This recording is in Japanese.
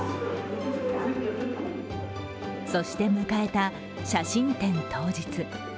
そして迎えた、写真展当日。